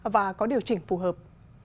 và có điều chỉnh phù hợp